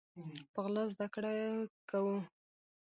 په غلا زده کړي کوو